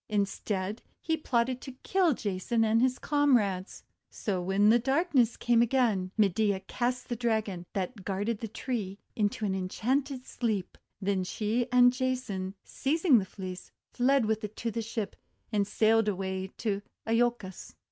Instead he plotted to kill Jason and his comrades. So when darkness came again, Medea cast the Dragon, that guarded the tree, into an en chanted sleep. Then she and Jason, seizing the Fleece, fled with it to the ship, and sailed away to lolcos.